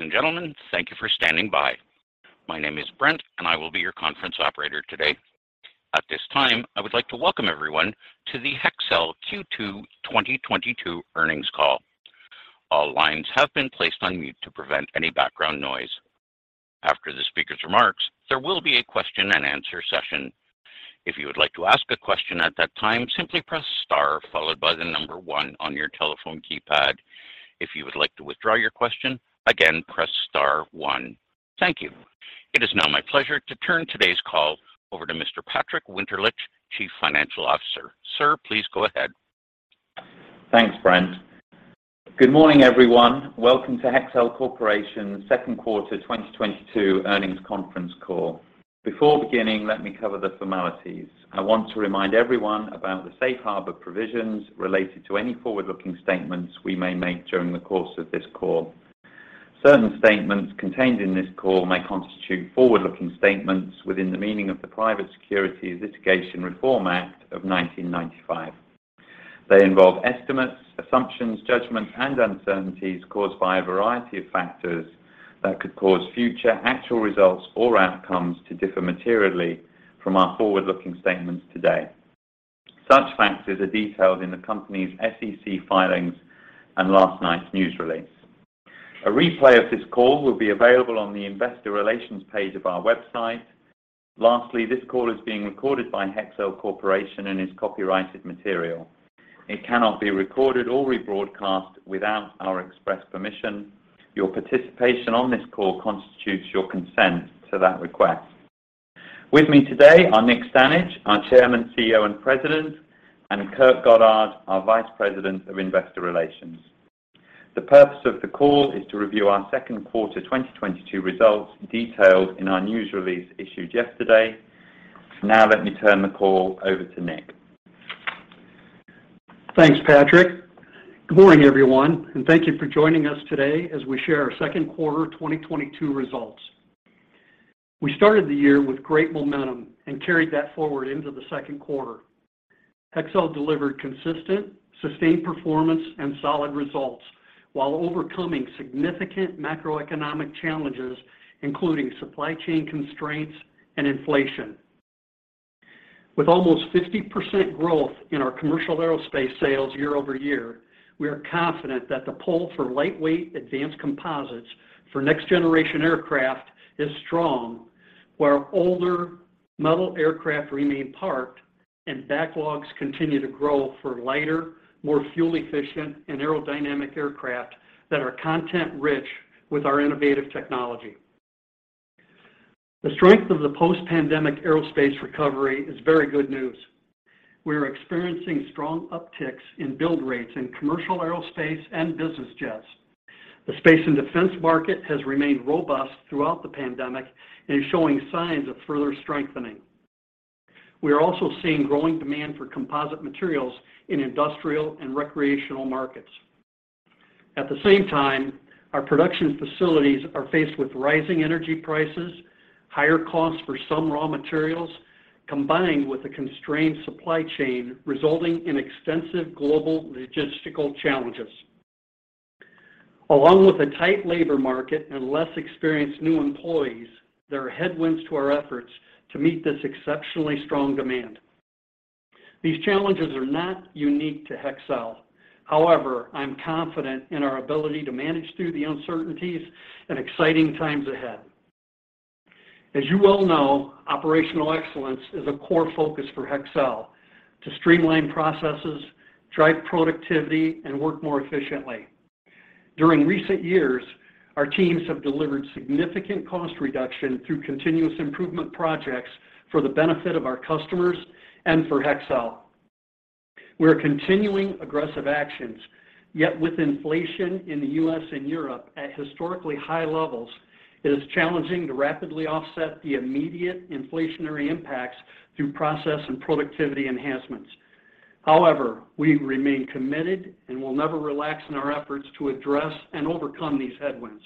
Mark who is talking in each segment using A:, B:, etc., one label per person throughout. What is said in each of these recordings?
A: Ladies and gentlemen, thank you for standing by. My name is Brent, and I will be your conference operator today. At this time, I would like to welcome everyone to the Hexcel Q2 2022 earnings call. All lines have been placed on mute to prevent any background noise. After the speaker's remarks, there will be a question-and-answer session. If you would like to ask a question at that time, simply press star followed by the number one on your telephone keypad. If you would like to withdraw your question, again, press star one. Thank you. It is now my pleasure to turn today's call over to Mr. Patrick Winterlich, Chief Financial Officer. Sir, please go ahead.
B: Thanks, Brent. Good morning, everyone. Welcome to Hexcel Corporation's second quarter 2022 earnings conference call. Before beginning, let me cover the formalities. I want to remind everyone about the safe harbor provisions related to any forward-looking statements we may make during the course of this call. Certain statements contained in this call may constitute forward-looking statements within the meaning of the Private Securities Litigation Reform Act of 1995. They involve estimates, assumptions, judgments, and uncertainties caused by a variety of factors that could cause future actual results or outcomes to differ materially from our forward-looking statements today. Such factors are detailed in the company's SEC filings and last night's news release. A replay of this call will be available on the investor relations page of our website. Lastly, this call is being recorded by Hexcel Corporation and is copyrighted material. It cannot be recorded or rebroadcast without our express permission. Your participation on this call constitutes your consent to that request. With me today are Nick Stanage, our Chairman, CEO, and President, and Kurt Goddard, our Vice President of Investor Relations. The purpose of the call is to review our second quarter 2022 results detailed in our news release issued yesterday. Now let me turn the call over to Nick.
C: Thanks, Patrick. Good morning, everyone, and thank you for joining us today as we share our second quarter 2022 results. We started the year with great momentum and carried that forward into the second quarter. Hexcel delivered consistent, sustained performance and solid results while overcoming significant macroeconomic challenges, including supply chain constraints and inflation. With almost 50% growth in our commercial aerospace sales year-over-year, we are confident that the pull for lightweight advanced composites for next-generation aircraft is strong, where older metal aircraft remain parked and backlogs continue to grow for lighter, more fuel-efficient, and aerodynamic aircraft that are content-rich with our innovative technology. The strength of the post-pandemic aerospace recovery is very good news. We are experiencing strong upticks in build rates in commercial aerospace and business jets. The space and defense market has remained robust throughout the pandemic and is showing signs of further strengthening. We are also seeing growing demand for composite materials in industrial and recreational markets. At the same time, our production facilities are faced with rising energy prices, higher costs for some raw materials, combined with a constrained supply chain resulting in extensive global logistical challenges. Along with a tight labor market and less experienced new employees, there are headwinds to our efforts to meet this exceptionally strong demand. These challenges are not unique to Hexcel. However, I'm confident in our ability to manage through the uncertainties and exciting times ahead. As you well know, operational excellence is a core focus for Hexcel to streamline processes, drive productivity, and work more efficiently. During recent years, our teams have delivered significant cost reduction through continuous improvement projects for the benefit of our customers and for Hexcel. We are continuing aggressive actions, yet with inflation in the U.S. and Europe at historically high levels, it is challenging to rapidly offset the immediate inflationary impacts through process and productivity enhancements. However, we remain committed and will never relax in our efforts to address and overcome these headwinds.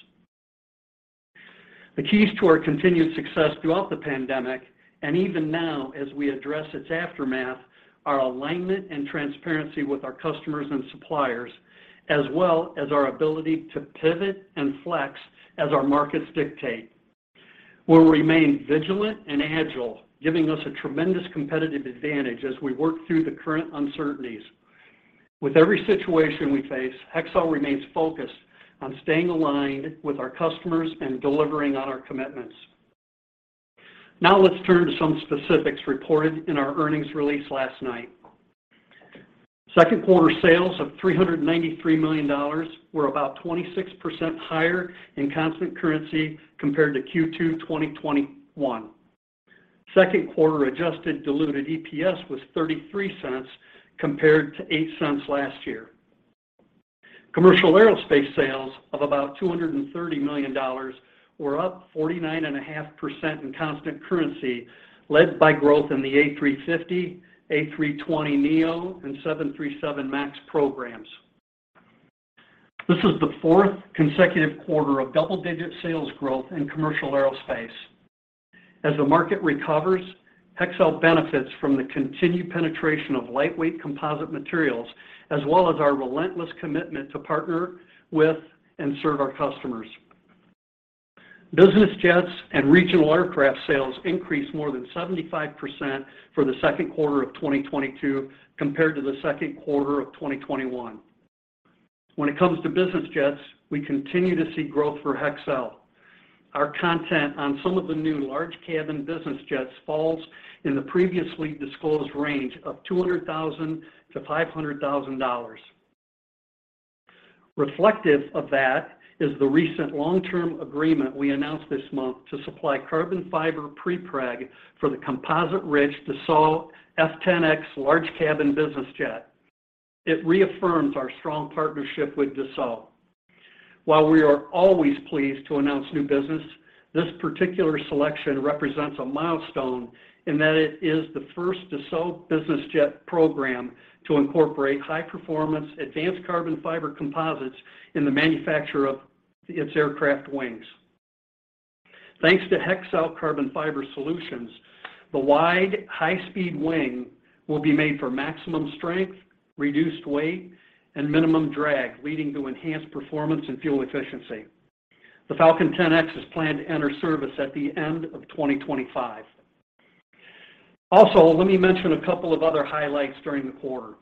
C: The keys to our continued success throughout the pandemic, and even now as we address its aftermath, are alignment and transparency with our customers and suppliers, as well as our ability to pivot and flex as our markets dictate. We'll remain vigilant and agile, giving us a tremendous competitive advantage as we work through the current uncertainties. With every situation we face, Hexcel remains focused on staying aligned with our customers and delivering on our commitments. Now let's turn to some specifics reported in our earnings release last night. Second quarter sales of $393 million were about 26% higher in constant currency compared to Q2 2021. Second quarter adjusted diluted EPS was $0.33 compared to $0.08 last year. Commercial aerospace sales of about $230 million were up 49.5% in constant currency, led by growth in the A350, A320neo, and 737 MAX programs. This is the fourth consecutive quarter of double-digit sales growth in commercial aerospace. As the market recovers, Hexcel benefits from the continued penetration of lightweight composite materials as well as our relentless commitment to partner with and serve our customers. Business jets and regional aircraft sales increased more than 75% for the second quarter of 2022 compared to the second quarter of 2021. When it comes to business jets, we continue to see growth for Hexcel. Our content on some of the new large cabin business jets falls in the previously disclosed range of $200,000-$500,000. Reflective of that is the recent long-term agreement we announced this month to supply carbon fiber prepreg for the composite-rich Dassault Falcon 10X large cabin business jet. It reaffirms our strong partnership with Dassault. While we are always pleased to announce new business, this particular selection represents a milestone in that it is the first Dassault business jet program to incorporate high-performance advanced carbon fiber composites in the manufacture of its aircraft wings. Thanks to Hexcel carbon fiber solutions, the wide, high-speed wing will be made for maximum strength, reduced weight, and minimum drag, leading to enhanced performance and fuel efficiency. The Falcon 10X is planned to enter service at the end of 2025. Also, let me mention a couple of other highlights during the quarter.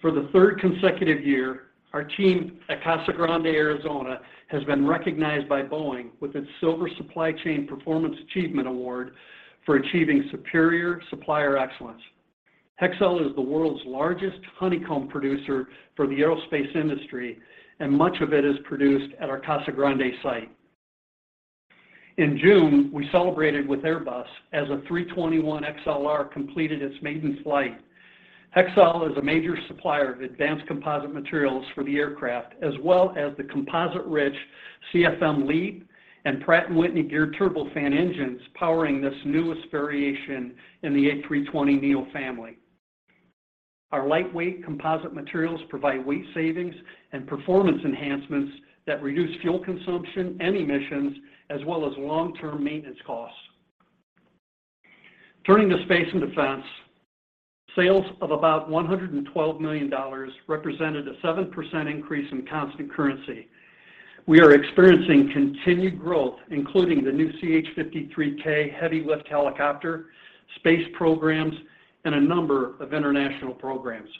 C: For the third consecutive year, our team at Casa Grande, Arizona, has been recognized by Boeing with its Silver Supply Chain Performance Achievement Award for achieving superior supplier excellence. Hexcel is the world's largest honeycomb producer for the aerospace industry, and much of it is produced at our Casa Grande site. In June, we celebrated with Airbus as an A321XLR completed its maiden flight. Hexcel is a major supplier of advanced composite materials for the aircraft, as well as the composite-rich CFM LEAP and Pratt & Whitney geared turbofan engines powering this newest variation in the A320neo family. Our lightweight composite materials provide weight savings and performance enhancements that reduce fuel consumption and emissions, as well as long-term maintenance costs. Turning to space and defense, sales of about $112 million represented a 7% increase in constant currency. We are experiencing continued growth, including the new CH-53K heavy-lift helicopter, space programs, and a number of international programs.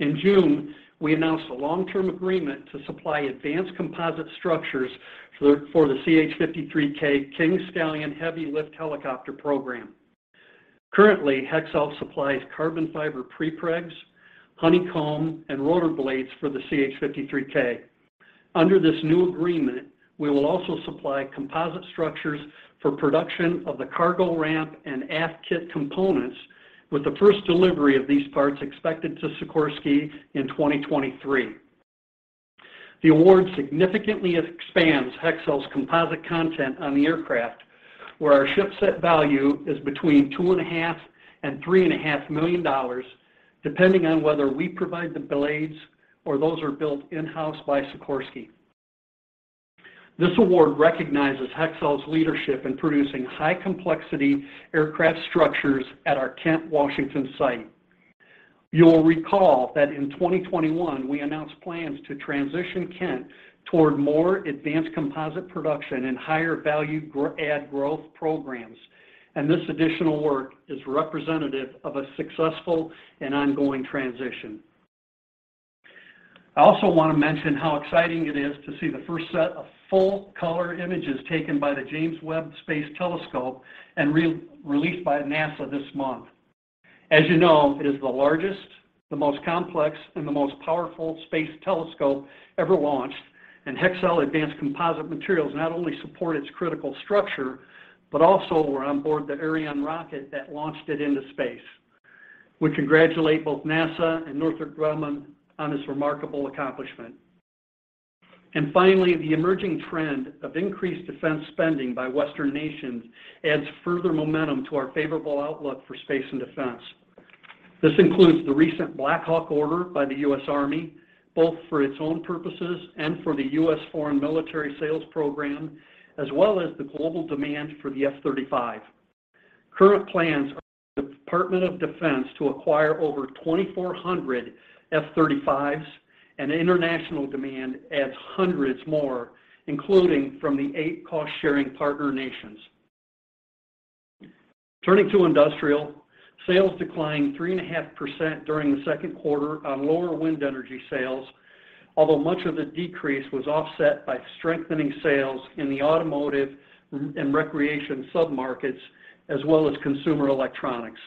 C: In June, we announced a long-term agreement to supply advanced composite structures for the CH-53K King Stallion heavy-lift helicopter program. Currently, Hexcel supplies carbon fiber prepregs, honeycomb, and rotor blades for the CH-53K. Under this new agreement, we will also supply composite structures for production of the cargo ramp and aft kit components, with the first delivery of these parts expected to Sikorsky in 2023. The award significantly expands Hexcel's composite content on the aircraft, where our ship set value is between $2.5 and $3.5 million, depending on whether we provide the blades or those are built in-house by Sikorsky. This award recognizes Hexcel's leadership in producing high-complexity aircraft structures at our Kent, Washington, site. You'll recall that in 2021, we announced plans to transition Kent toward more advanced composite production and higher-value growth programs, and this additional work is representative of a successful and ongoing transition. I also want to mention how exciting it is to see the first set of full-color images taken by the James Webb Space Telescope and released by NASA this month. As you know, it is the largest, the most complex, and the most powerful space telescope ever launched, and Hexcel advanced composite materials not only support its critical structure, but also were on board the Ariane rocket that launched it into space. We congratulate both NASA and Northrop Grumman on this remarkable accomplishment. Finally, the emerging trend of increased defense spending by Western nations adds further momentum to our favorable outlook for space and defense. This includes the recent Black Hawk order by the U.S. Army, both for its own purposes and for the U.S. Foreign Military Sales program, as well as the global demand for the F-35. Current plans are for the Department of Defense to acquire over 2,400 F-35s, and international demand adds hundreds more, including from the eight cost-sharing partner nations. Turning to industrial, sales declined 3.5% during the second quarter on lower wind energy sales, although much of the decrease was offset by strengthening sales in the automotive and recreation submarkets, as well as consumer electronics.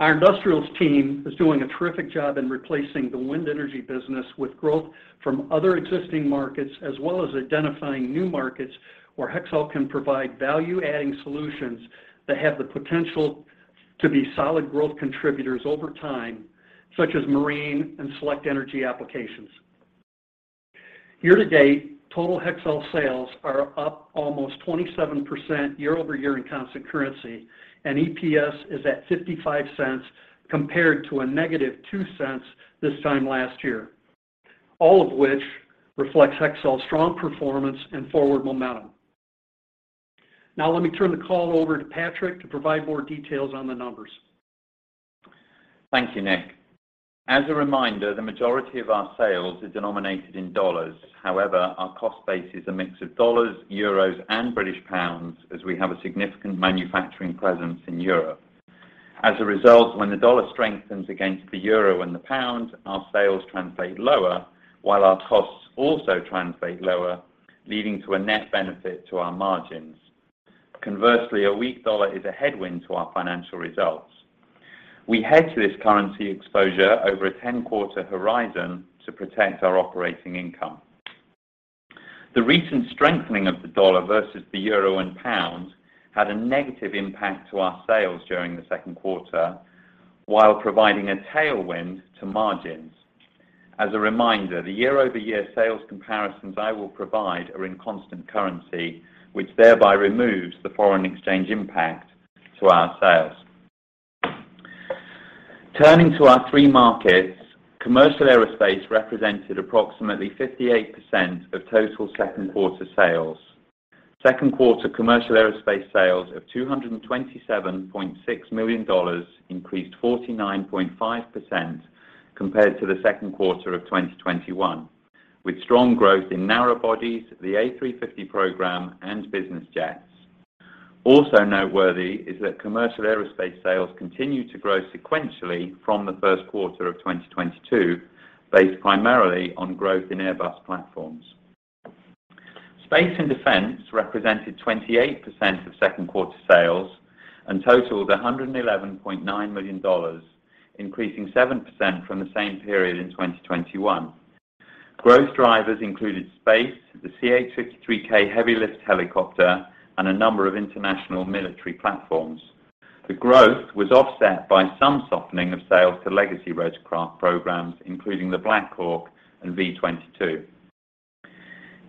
C: Our industrials team is doing a terrific job in replacing the wind energy business with growth from other existing markets, as well as identifying new markets where Hexcel can provide value-adding solutions that have the potential to be solid growth contributors over time, such as marine and select energy applications. Year to date, total Hexcel sales are up almost 27% year-over-year in constant currency, and EPS is at $0.55 compared to -$0.02 this time last year. All of which reflects Hexcel's strong performance and forward momentum. Now let me turn the call over to Patrick to provide more details on the numbers.
B: Thank you, Nick. As a reminder, the majority of our sales are denominated in dollars. However, our cost base is a mix of dollars, euros, and British pounds, as we have a significant manufacturing presence in Europe. As a result, when the dollar strengthens against the euro and the pound, our sales translate lower, while our costs also translate lower, leading to a net benefit to our margins. Conversely, a weak dollar is a headwind to our financial results. We hedge this currency exposure over a 10-quarter horizon to protect our operating income. The recent strengthening of the dollar versus the euro and pound had a negative impact to our sales during the second quarter while providing a tailwind to margins. As a reminder, the year-over-year sales comparisons I will provide are in constant currency, which thereby removes the foreign exchange impact to our sales. Turning to our three markets, commercial aerospace represented approximately 58% of total second quarter sales. Second quarter commercial aerospace sales of $227.6 million increased 49.5% compared to the second quarter of 2021, with strong growth in narrow bodies, the A350 program, and business jets. Also noteworthy is that commercial aerospace sales continue to grow sequentially from the first quarter of 2022, based primarily on growth in Airbus platforms. Space and defense represented 28% of second quarter sales and totaled $111.9 million, increasing 7% from the same period in 2021. Growth drivers included space, the CH-53K heavy lift helicopter, and a number of international military platforms. The growth was offset by some softening of sales to legacy rotorcraft programs, including the Black Hawk and V-22.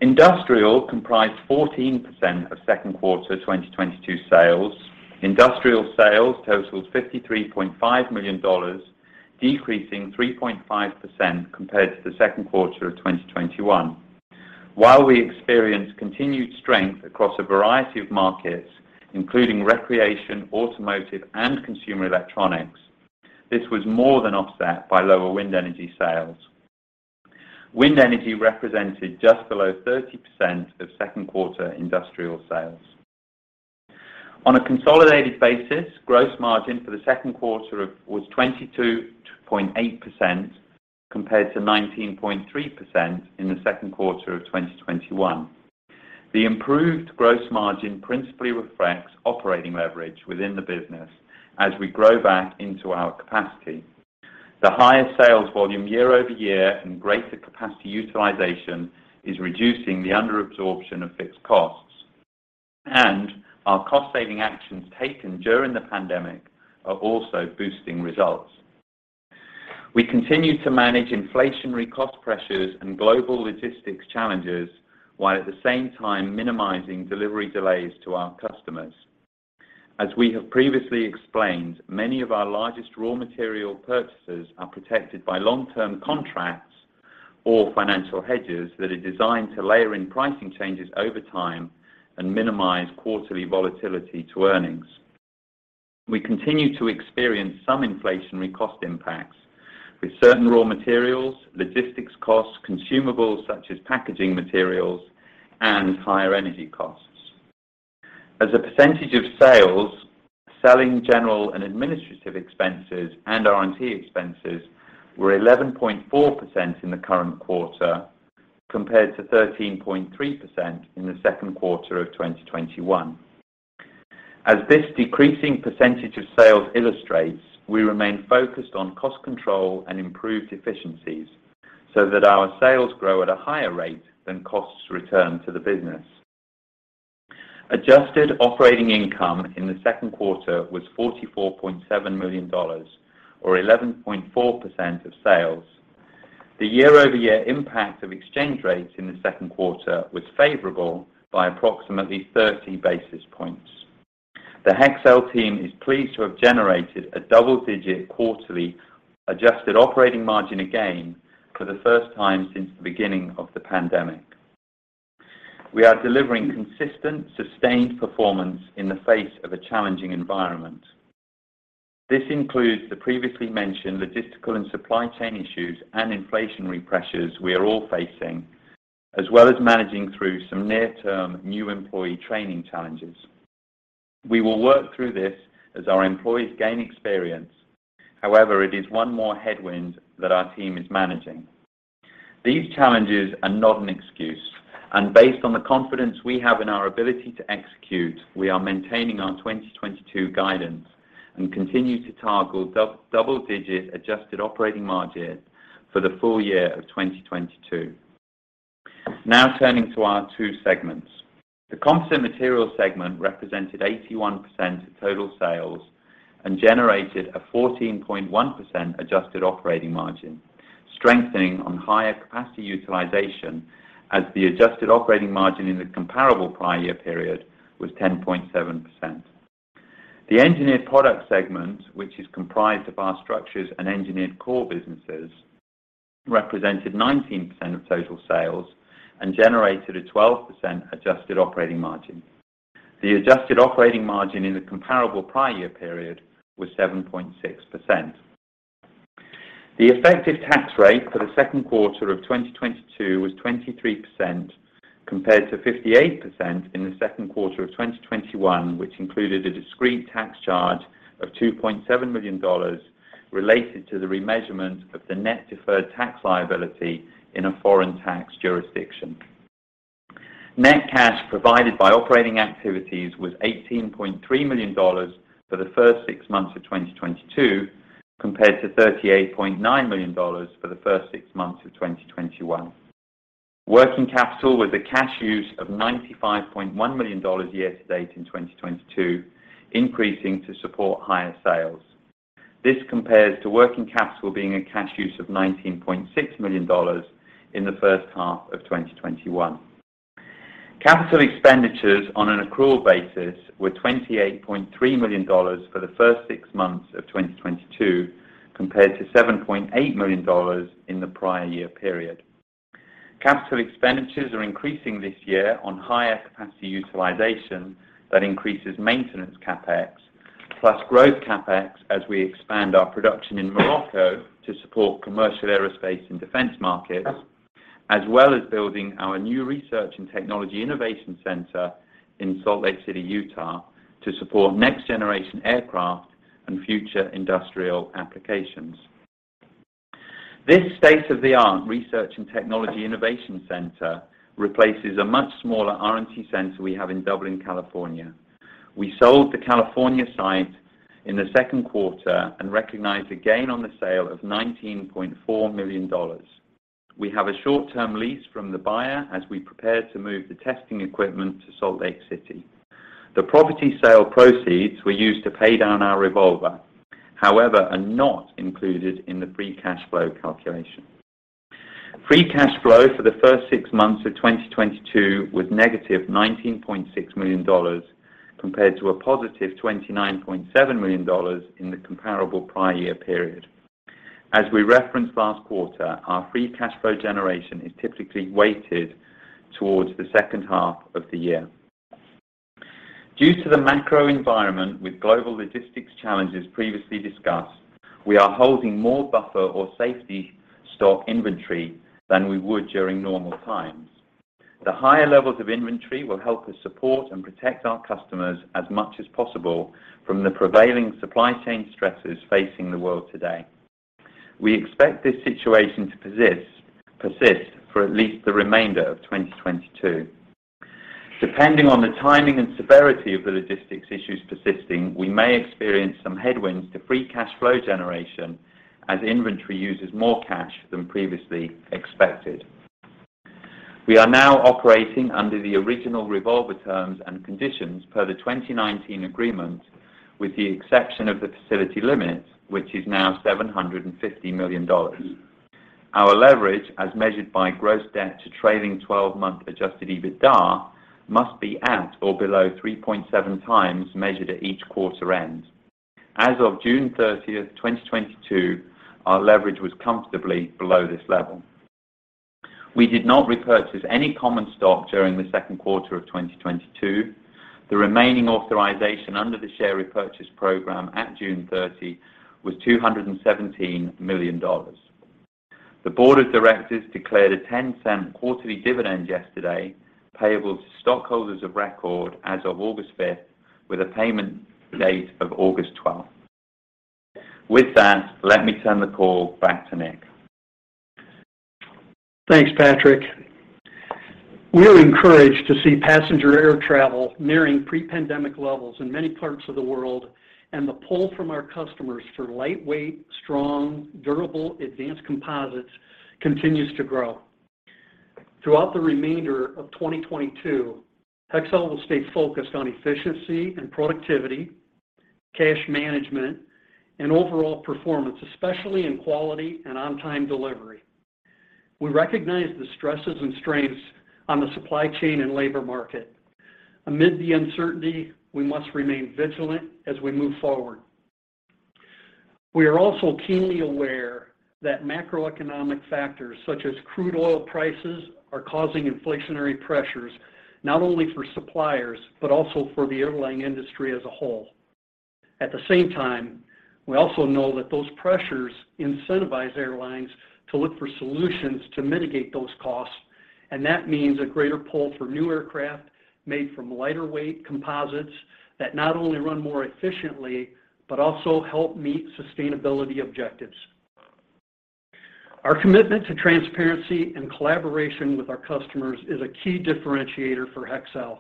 B: Industrial comprised 14% of second quarter 2022 sales. Industrial sales totaled $53.5 million, decreasing 3.5% compared to the second quarter of 2021. While we experienced continued strength across a variety of markets, including recreation, automotive, and consumer electronics, this was more than offset by lower wind energy sales. Wind energy represented just below 30% of second quarter industrial sales. On a consolidated basis, gross margin for the second quarter was 22.8% compared to 19.3% in the second quarter of 2021. The improved gross margin principally reflects operating leverage within the business as we grow back into our capacity. The higher sales volume year-over-year and greater capacity utilization is reducing the under absorption of fixed costs, and our cost saving actions taken during the pandemic are also boosting results. We continue to manage inflationary cost pressures and global logistics challenges, while at the same time minimizing delivery delays to our customers. As we have previously explained, many of our largest raw material purchases are protected by long-term contracts or financial hedges that are designed to layer in pricing changes over time and minimize quarterly volatility to earnings. We continue to experience some inflationary cost impacts with certain raw materials, logistics costs, consumables such as packaging materials, and higher energy costs. As a percentage of sales, selling general and administrative expenses and R&D expenses were 11.4% in the current quarter compared to 13.3% in the second quarter of 2021. As this decreasing percentage of sales illustrates, we remain focused on cost control and improved efficiencies so that our sales grow at a higher rate than costs return to the business. Adjusted operating income in the second quarter was $44.7 million or 11.4% of sales. The year-over-year impact of exchange rates in the second quarter was favorable by approximately 30 basis points. The Hexcel team is pleased to have generated a double-digit quarterly adjusted operating margin again for the first time since the beginning of the pandemic. We are delivering consistent, sustained performance in the face of a challenging environment. This includes the previously mentioned logistical and supply chain issues and inflationary pressures we are all facing, as well as managing through some near-term new employee training challenges. We will work through this as our employees gain experience. However, it is one more headwind that our team is managing. These challenges are not an excuse, and based on the confidence we have in our ability to execute, we are maintaining our 2022 guidance and continue to target double-digit adjusted operating margins for the full year of 2022. Now, turning to our two segments. The Composite Materials segment represented 81% of total sales and generated a 14.1% adjusted operating margin, strengthening on higher capacity utilization as the adjusted operating margin in the comparable prior year period was 10.7%. The Engineered Products segment, which is comprised of our structures and engineered core businesses, represented 19% of total sales and generated a 12% adjusted operating margin. The adjusted operating margin in the comparable prior year period was 7.6%. The effective tax rate for the second quarter of 2022 was 23% compared to 58% in the second quarter of 2021, which included a discrete tax charge of $2.7 million related to the remeasurement of the net deferred tax liability in a foreign tax jurisdiction. Net cash provided by operating activities was $18.3 million for the first six months of 2022, compared to $38.9 million for the first six months of 2021. Working capital was a cash use of $95.1 million year to date in 2022, increasing to support higher sales. This compares to working capital being a cash use of $19.6 million in the first half of 2021. Capital expenditures on an accrual basis were $28.3 million for the first six months of 2022, compared to $7.8 million in the prior year period. Capital expenditures are increasing this year on higher capacity utilization that increases maintenance CapEx, plus growth CapEx as we expand our production in Morocco to support commercial aerospace and defense markets, as well as building our new research and technology innovation center in Salt Lake City, Utah, to support next-generation aircraft and future industrial applications. This state-of-the-art research and technology innovation center replaces a much smaller R&T center we have in Dublin, California. We sold the California site in the second quarter and recognized a gain on the sale of $19.4 million. We have a short-term lease from the buyer as we prepare to move the testing equipment to Salt Lake City. The property sale proceeds were used to pay down our revolver, however, are not included in the free cash flow calculation. Free cash flow for the first six months of 2022 was -$19.6 million, compared to $29.7 million in the comparable prior year period. As we referenced last quarter, our free cash flow generation is typically weighted towards the second half of the year. Due to the macro environment with global logistics challenges previously discussed, we are holding more buffer or safety stock inventory than we would during normal times. The higher levels of inventory will help us support and protect our customers as much as possible from the prevailing supply chain stresses facing the world today. We expect this situation to persist for at least the remainder of 2022. Depending on the timing and severity of the logistics issues persisting, we may experience some headwinds to free cash flow generation as inventory uses more cash than previously expected. We are now operating under the original revolver terms and conditions per the 2019 agreement, with the exception of the facility limits, which is now $750 million. Our leverage, as measured by gross debt to trailing twelve-month adjusted EBITDA, must be at or below 3.7x measured at each quarter end. As of June 30, 2022, our leverage was comfortably below this level. We did not repurchase any common stock during the second quarter of 2022. The remaining authorization under the share repurchase program at June 30 was $217 million. The board of directors declared a $0.10 quarterly dividend yesterday, payable to stockholders of record as of August fifth, with a payment date of August twelfth. With that, let me turn the call back to Nick.
C: Thanks, Patrick. We are encouraged to see passenger air travel nearing pre-pandemic levels in many parts of the world, and the pull from our customers for lightweight, strong, durable, advanced composites continues to grow. Throughout the remainder of 2022, Hexcel will stay focused on efficiency and productivity, cash management, and overall performance, especially in quality and on-time delivery. We recognize the stresses and strains on the supply chain and labor market. Amid the uncertainty, we must remain vigilant as we move forward. We are also keenly aware that macroeconomic factors such as crude oil prices are causing inflationary pressures, not only for suppliers, but also for the overlaying industry as a whole. At the same time, we also know that those pressures incentivize airlines to look for solutions to mitigate those costs, and that means a greater pull for new aircraft made from lighter weight composites that not only run more efficiently, but also help meet sustainability objectives. Our commitment to transparency and collaboration with our customers is a key differentiator for Hexcel.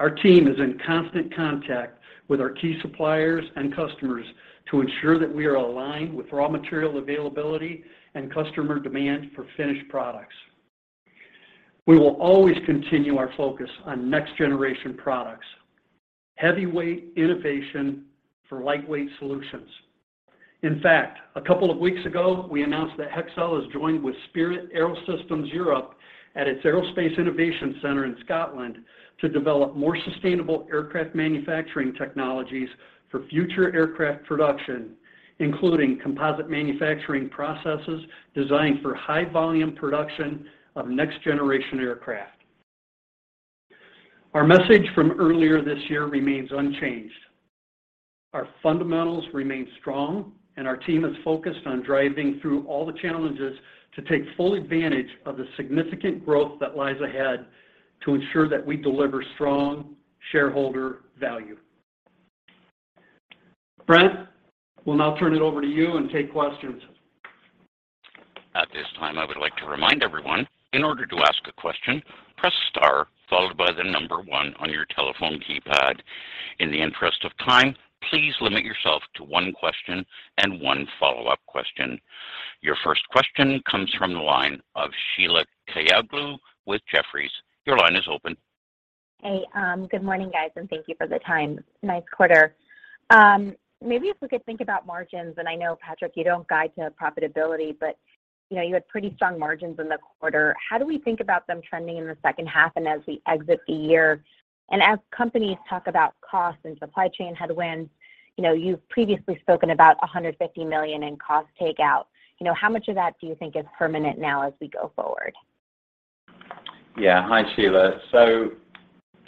C: Our team is in constant contact with our key suppliers and customers to ensure that we are aligned with raw material availability and customer demand for finished products. We will always continue our focus on next-generation products, heavyweight innovation for lightweight solutions. In fact, a couple of weeks ago, we announced that Hexcel has joined with Spirit AeroSystems Europe at its Aerospace Innovation Center in Scotland to develop more sustainable aircraft manufacturing technologies for future aircraft production, including composite manufacturing processes designed for high volume production of next generation aircraft. Our message from earlier this year remains unchanged. Our fundamentals remain strong, and our team is focused on driving through all the challenges to take full advantage of the significant growth that lies ahead to ensure that we deliver strong shareholder value. Brent, we'll now turn it over to you and take questions.
A: At this time, I would like to remind everyone, in order to ask a question, press star followed by the number one on your telephone keypad. In the interest of time, please limit yourself to one question and one follow-up question. Your first question comes from the line of Sheila Kahyaoglu with Jefferies. Your line is open.
D: Hey, good morning, guys, and thank you for the time. Nice quarter. Maybe if we could think about margins, and I know, Patrick, you don't guide to profitability, but, you know, you had pretty strong margins in the quarter. How do we think about them trending in the second half and as we exit the year? As companies talk about costs and supply chain headwinds, you know, you've previously spoken about $150 million in cost takeout. You know, how much of that do you think is permanent now as we go forward?
B: Yeah. Hi, Sheila.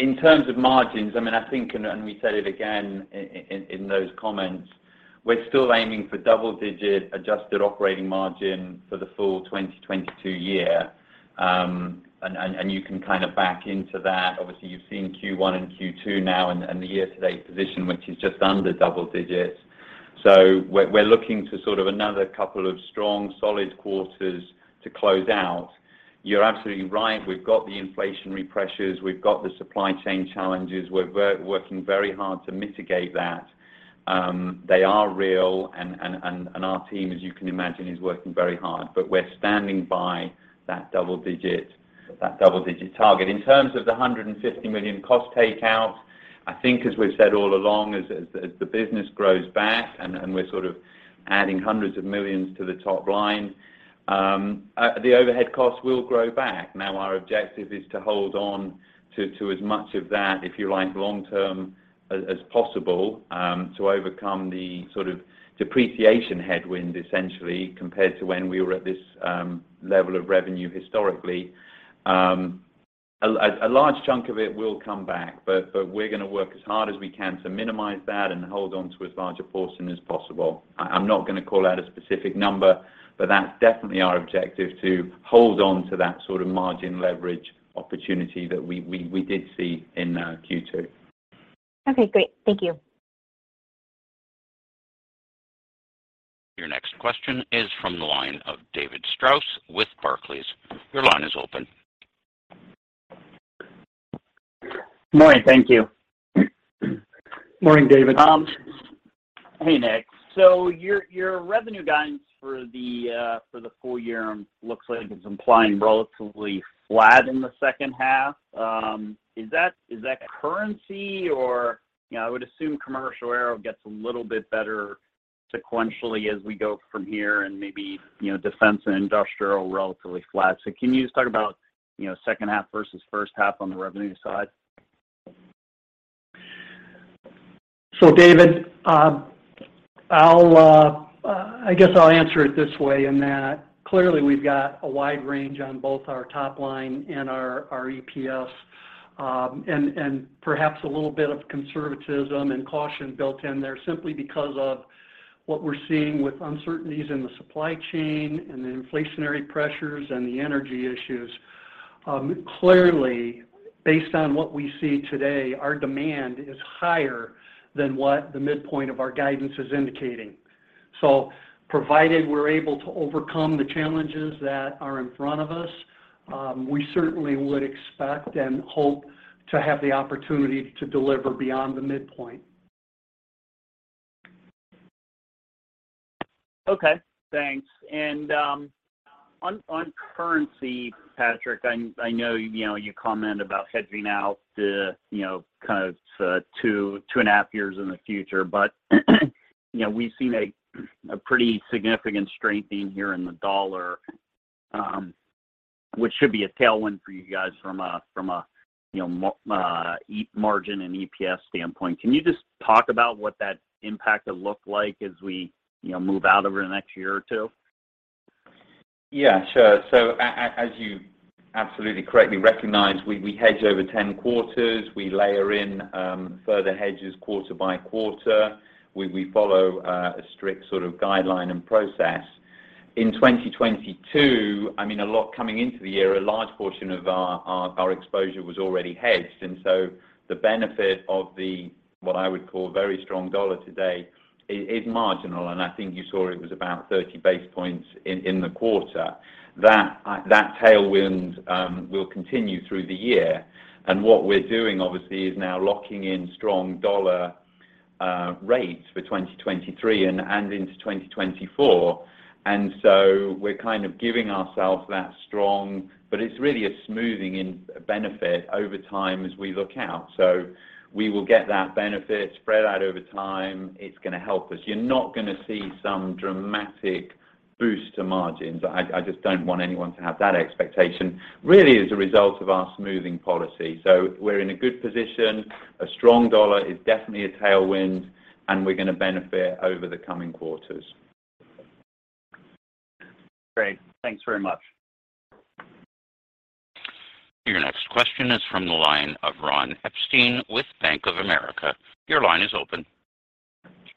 B: In terms of margins, I mean, I think, we said it again in those comments, we're still aiming for double-digit adjusted operating margin for the full 2022 year, and you can kind of back into that. Obviously, you've seen Q1 and Q2 now and the year to date position, which is just under double digits. We're looking to sort of another couple of strong, solid quarters to close out. You're absolutely right. We've got the inflationary pressures. We've got the supply chain challenges. We're working very hard to mitigate that. They are real and our team, as you can imagine, is working very hard. We're standing by that double-digit target. In terms of the $150 million cost takeout, I think as we've said all along, as the business grows back and we're sort of adding hundreds of millions to the top line, the overhead costs will grow back. Now, our objective is to hold on to as much of that, if you like, long term as possible, to overcome the sort of depreciation headwind essentially compared to when we were at this level of revenue historically. A large chunk of it will come back, but we're gonna work as hard as we can to minimize that and hold on to as large a portion as possible. I'm not gonna call out a specific number, but that's definitely our objective to hold on to that sort of margin leverage opportunity that we did see in Q2.
D: Okay. Great. Thank you.
A: Your next question is from the line of David Strauss with Barclays. Your line is open.
E: Morning. Thank you.
C: Morning, David.
E: Hey, Nick. Your revenue guidance for the full year looks like it's implying relatively flat in the second half. Is that currency? You know, I would assume commercial aero gets a little bit better sequentially as we go from here and maybe, you know, defense and industrial relatively flat. Can you just talk about second half versus first half on the revenue side?
C: David, I guess I'll answer it this way in that clearly we've got a wide range on both our top line and our EPS, and perhaps a little bit of conservatism and caution built in there simply because of what we're seeing with uncertainties in the supply chain and the inflationary pressures and the energy issues. Clearly based on what we see today, our demand is higher than what the midpoint of our guidance is indicating. Provided we're able to overcome the challenges that are in front of us, we certainly would expect and hope to have the opportunity to deliver beyond the midpoint.
E: Okay. Thanks. On currency, Patrick, I know, you know, you comment about hedging out the, you know, kind of 2.5 years in the future. You know, we've seen a pretty significant strengthening here in the dollar, which should be a tailwind for you guys from a, from a, you know, EBITDA margin and EPS standpoint. Can you just talk about what that impact will look like as we, you know, move out over the next year or 2?
B: Yeah, sure. As you absolutely correctly recognize, we hedge over 10 quarters. We layer in further hedges quarter by quarter. We follow a strict sort of guideline and process. In 2022, I mean, a lot coming into the year, a large portion of our exposure was already hedged, and so the benefit of what I would call very strong dollar today is marginal, and I think you saw it was about 30 basis points in the quarter. That tailwind will continue through the year. What we're doing obviously is now locking in strong dollar rates for 2023 and into 2024. We're kind of giving ourselves that strong, but it's really a smoothing in benefit over time as we look out. We will get that benefit spread out over time. It's gonna help us. You're not gonna see some dramatic boost to margins. I just don't want anyone to have that expectation, really as a result of our smoothing policy. We're in a good position. A strong dollar is definitely a tailwind, and we're gonna benefit over the coming quarters.
E: Great. Thanks very much.
A: Your next question is from the line of Ronald Epstein with Bank of America. Your line is open.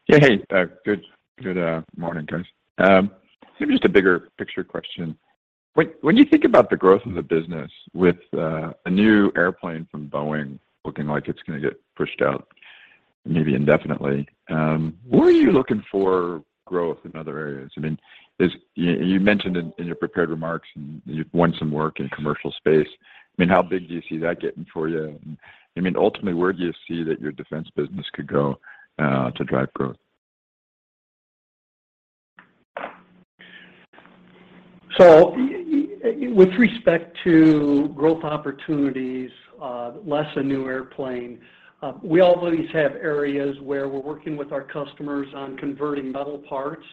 F: Yeah. Hey, good morning, guys. Just a bigger picture question. When you think about the growth of the business with a new airplane from Boeing looking like it's gonna get pushed out maybe indefinitely, where are you looking for growth in other areas? I mean, you mentioned in your prepared remarks, and you've won some work in commercial space. I mean, how big do you see that getting for you? I mean, ultimately, where do you see that your defense business could go to drive growth?
C: With respect to growth opportunities, barring a new airplane, we always have areas where we're working with our customers on converting metal parts,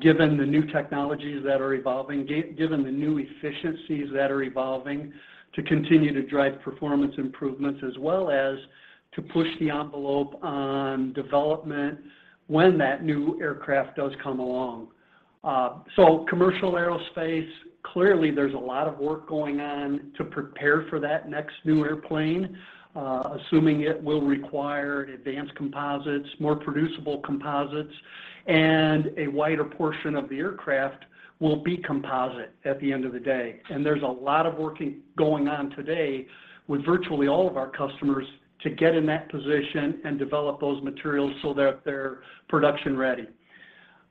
C: given the new technologies that are evolving, given the new efficiencies that are evolving to continue to drive performance improvements as well as to push the envelope on development when that new aircraft does come along. Commercial aerospace, clearly there's a lot of work going on to prepare for that next new airplane, assuming it will require advanced composites, more producible composites, and a wider portion of the aircraft will be composite at the end of the day. There's a lot of work going on today with virtually all of our customers to get in that position and develop those materials so that they're production ready.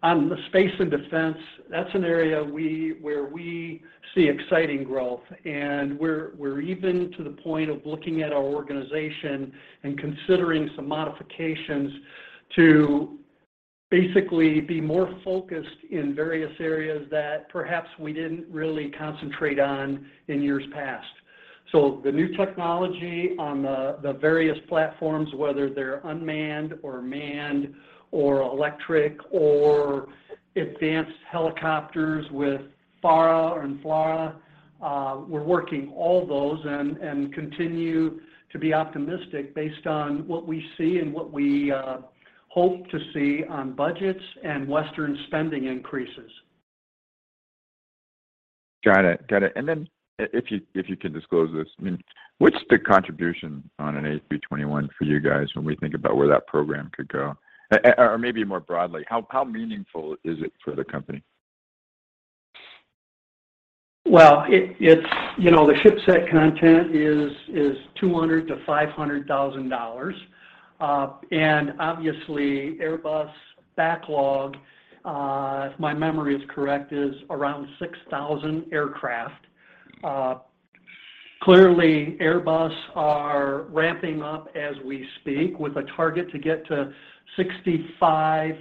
C: On the space and defense, that's an area where we see exciting growth. We're even to the point of looking at our organization and considering some modifications to basically be more focused in various areas that perhaps we didn't really concentrate on in years past. The new technology on the various platforms, whether they're unmanned or manned or electric or advanced helicopters with FARA and FLRAA, we're working all those and continue to be optimistic based on what we see and what we hope to see on budgets and Western spending increases.
F: Got it. If you can disclose this, I mean, what's the contribution on an A321 for you guys when we think about where that program could go? Or maybe more broadly, how meaningful is it for the company?
C: Well, it's, you know, the ship set content is $200,000-$500,000. And obviously Airbus backlog, if my memory is correct, is around 6,000 aircraft. Clearly, Airbus are ramping up as we speak with a target to get to 65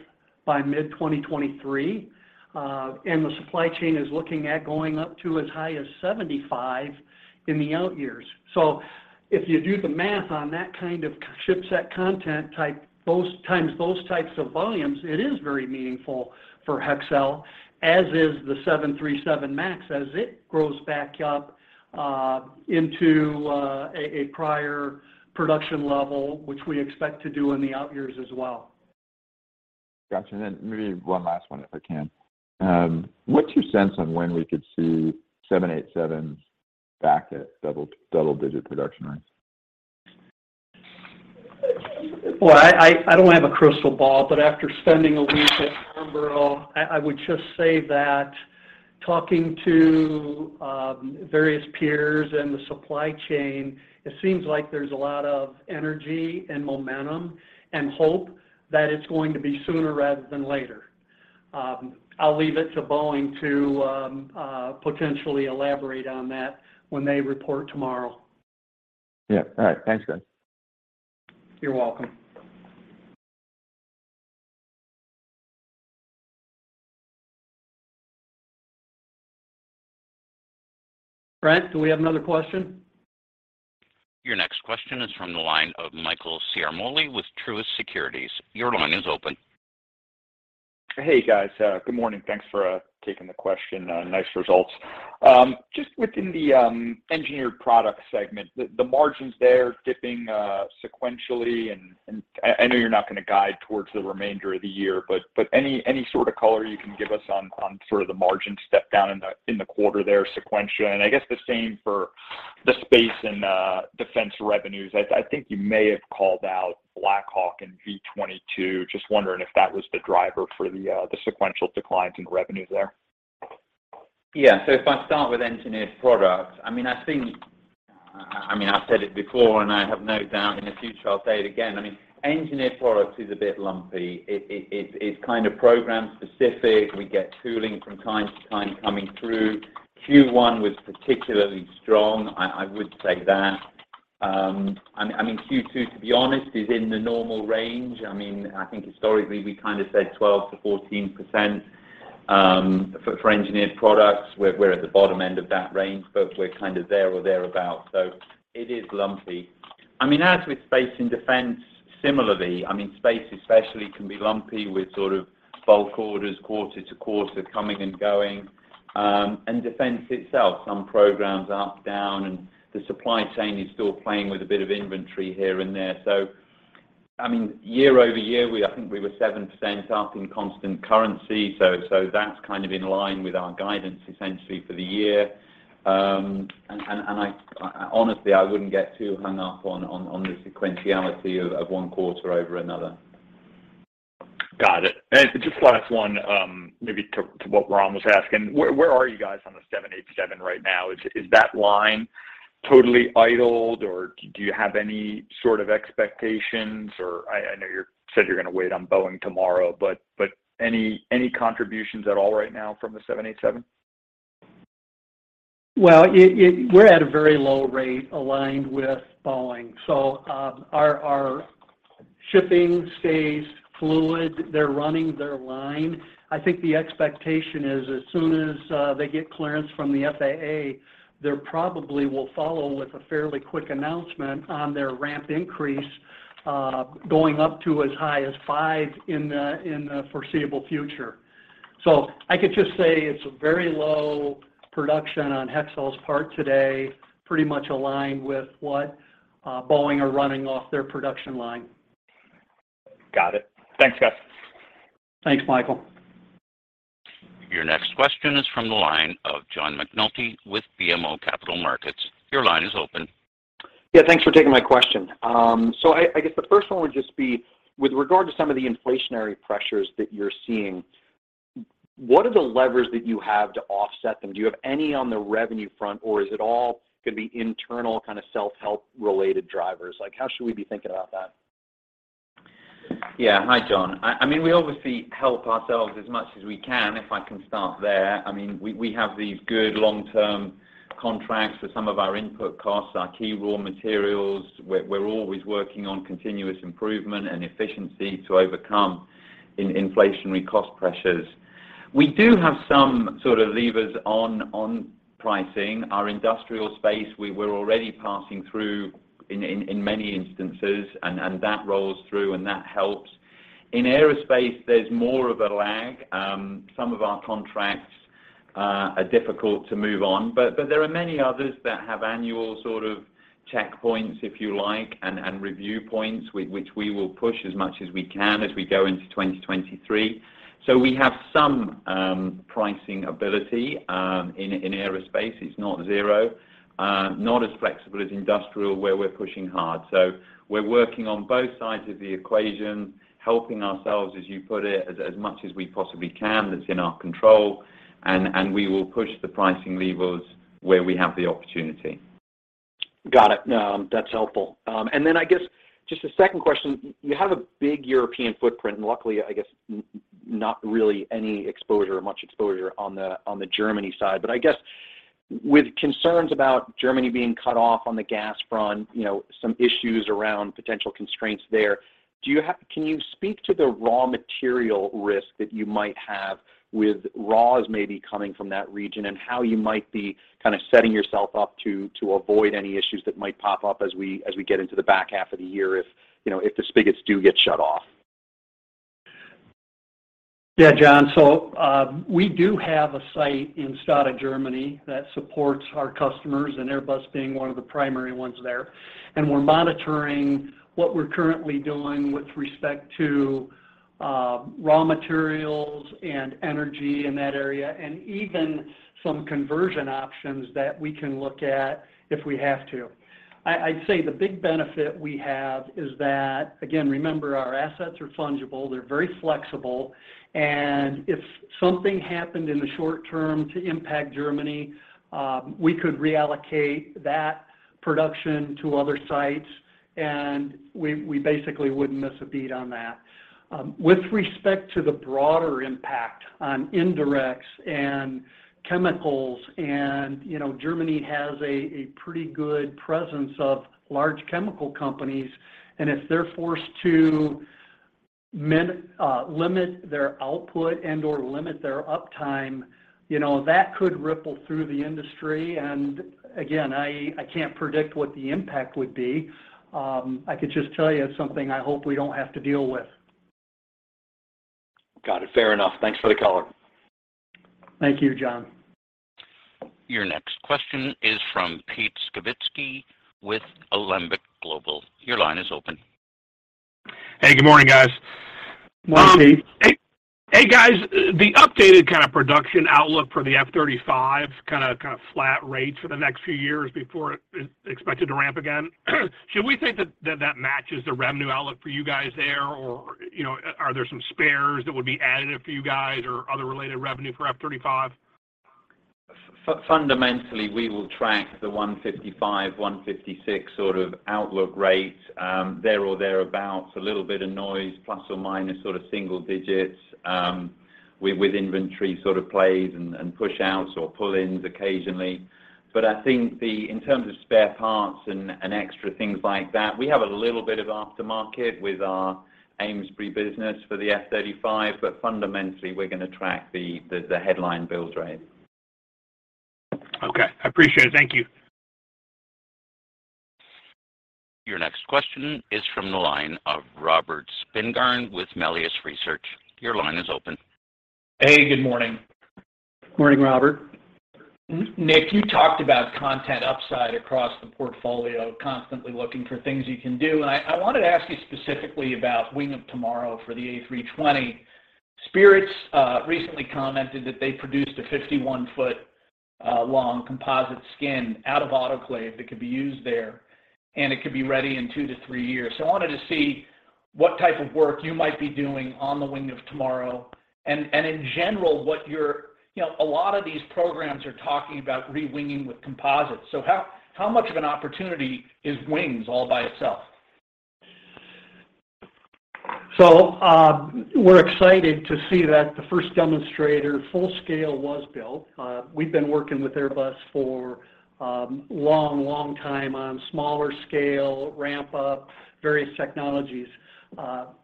C: by mid-2023. And the supply chain is looking at going up to as high as 75 in the out years. If you do the math on that kind of ship set content type, those times, those types of volumes, it is very meaningful for Hexcel, as is the 737 MAX as it grows back up into a prior production level, which we expect to do in the out years as well.
F: Gotcha. Maybe one last one if I can. What's your sense on when we could see 787 back at double-digit production rates?
C: Well, I don't have a crystal ball, but after spending a week at Farnborough, I would just say that talking to various peers in the supply chain, it seems like there's a lot of energy and momentum and hope that it's going to be sooner rather than later. I'll leave it to Boeing to potentially elaborate on that when they report tomorrow.
F: Yeah. All right. Thanks, guys.
C: You're welcome. Brent, do we have another question?
A: Your next question is from the line of Michael Ciarmoli with Truist Securities. Your line is open.
G: Hey, guys. Good morning. Thanks for taking the question. Nice results. Just within the Engineered Products segment, the margins there dipping sequentially, and I know you're not gonna guide towards the remainder of the year, but any sort of color you can give us on sort of the margin step down in the quarter there sequentially, and I guess the same for the Space and Defense revenues. I think you may have called out Black Hawk and V-22. Just wondering if that was the driver for the sequential declines in revenue there. Yeah. If I start with Engineered Products, I mean, I've said it before and I have no doubt in the future I'll say it again. I mean, Engineered Products is a bit lumpy.
B: It's kind of program specific. We get tooling from time to time coming through. Q1 was particularly strong, I would say that. I mean Q2, to be honest, is in the normal range. I mean, I think historically we kind of said 12%-14% for engineered products. We're at the bottom end of that range, but we're kind of there or thereabout. It is lumpy. I mean, as with space and defense similarly, I mean space especially can be lumpy with sort of bulk orders, quarter to quarter coming and going. And defense itself, some programs up, down, and the supply chain is still playing with a bit of inventory here and there. I mean, year-over-year, I think we were 7% up in constant currency. That's kind of in line with our guidance essentially for the year. Honestly, I wouldn't get too hung up on the sequentiality of one quarter over another.
G: Got it. Just last one, maybe to what Ronald was asking. Where are you guys on the 787 right now? Is that line totally idled, or do you have any sort of expectations? I know you said you're gonna wait on Boeing tomorrow, but any contributions at all right now from the 787?
C: Well, we're at a very low rate aligned with Boeing. Our shipping stays fluid. They're running their line. I think the expectation is as soon as they get clearance from the FAA, they probably will follow with a fairly quick announcement on their ramp increase, going up to as high as five in the foreseeable future. I could just say it's very low production on Hexcel's part today, pretty much aligned with what Boeing are running off their production line.
G: Got it. Thanks, guys.
C: Thanks, Michael.
A: Your next question is from the line of John McNulty with BMO Capital Markets. Your line is open.
H: Yeah, thanks for taking my question. I guess the first one would just be with regard to some of the inflationary pressures that you're seeing, what are the levers that you have to offset them? Do you have any on the revenue front, or is it all gonna be internal, kind of self-help related drivers? Like, how should we be thinking about that?
B: Yeah. Hi, John. I mean, we obviously help ourselves as much as we can, if I can start there. I mean, we have these good long-term contracts for some of our input costs, our key raw materials. We're always working on continuous improvement and efficiency to overcome inflationary cost pressures. We do have some sort of levers on pricing. Our industrial space we're already passing through in many instances, and that rolls through and that helps. In aerospace, there's more of a lag. Some of our contracts are difficult to move on. There are many others that have annual sort of checkpoints, if you like, and review points which we will push as much as we can as we go into 2023. We have some pricing ability in aerospace. It's not zero. Not as flexible as industrial, where we're pushing hard. We're working on both sides of the equation, helping ourselves, as you put it, as much as we possibly can that's in our control, and we will push the pricing levers where we have the opportunity.
H: Got it. No, that's helpful. I guess just a second question. You have a big European footprint, and luckily, I guess not really any exposure or much exposure on the Germany side. I guess with concerns about Germany being cut off on the gas front, you know, some issues around potential constraints there. Can you speak to the raw material risk that you might have with raws maybe coming from that region, and how you might be kind of setting yourself up to avoid any issues that might pop up as we get into the back half of the year if, you know, if the spigots do get shut off?
C: Yeah, John. We do have a site in Stade, Germany, that supports our customers, and Airbus being one of the primary ones there. We're monitoring what we're currently doing with respect to raw materials and energy in that area, and even some conversion options that we can look at if we have to. I'd say the big benefit we have is that, again, remember our assets are fungible, they're very flexible, and if something happened in the short term to impact Germany, we could reallocate that production to other sites, and we basically wouldn't miss a beat on that. With respect to the broader impact on indirects and chemicals and, you know, Germany has a pretty good presence of large chemical companies, and if they're forced to limit their output and/or limit their uptime, you know, that could ripple through the industry. Again, I can't predict what the impact would be. I could just tell you it's something I hope we don't have to deal with.
H: Got it. Fair enough. Thanks for the color.
C: Thank you, John.
A: Your next question is from Peter Skibitski with Alembic Global. Your line is open.
I: Hey, good morning, guys.
C: Morning, Pete.
I: Hey, guys. The updated kind of production outlook for the F-35's kind of flat rate for the next few years before it is expected to ramp again, should we think that matches the revenue outlook for you guys there? Or, you know, are there some spares that would be added for you guys or other related revenue for F-35?
B: Fundamentally, we will track the 155, 156 sort of outlook rate, there or thereabout. A little bit of noise, plus or minus sort of single digits, with inventory sort of plays and push-outs or pull-ins occasionally. I think in terms of spare parts and extra things like that, we have a little bit of aftermarket with our Amesbury business for the F-35. Fundamentally, we're gonna track the headline build rate.
I: Okay. I appreciate it. Thank you.
A: Your next question is from the line of Robert Spingarn with Melius Research. Your line is open.
J: Hey, good morning.
C: Morning, Robert.
J: Nick, you talked about content upside across the portfolio, constantly looking for things you can do, and I wanted to ask you specifically about Wing of Tomorrow for the A320. Spirit's recently commented that they produced a 51-foot long composite skin out of autoclave that could be used there, and it could be ready in 2-3 years. I wanted to see what type of work you might be doing on the Wing of Tomorrow and in general. You know, a lot of these programs are talking about re-winging with composites. How much of an opportunity is wings all by itself?
C: We're excited to see that the first demonstrator full scale was built. We've been working with Airbus for a long, long time on smaller scale ramp up, various technologies.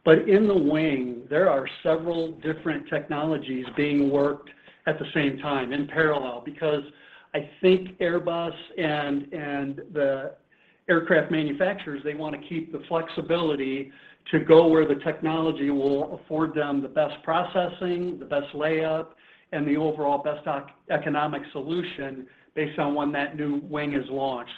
C: In the wing, there are several different technologies being worked at the same time in parallel because I think Airbus and the aircraft manufacturers, they wanna keep the flexibility to go where the technology will afford them the best processing, the best layup, and the overall best economic solution based on when that new wing is launched.